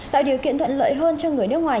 tạo điều kiện thuận lợi hơn cho người nước ngoài